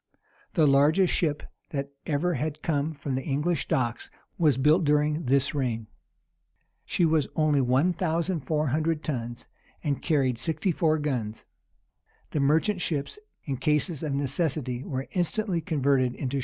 [*] The largest ship that ever had come from the English docks was built during this reign. She was only one thousand four hundred tons, and carried sixty four guns.[] The merchant ships, in cases of necessity, were instantly converted into ships of war.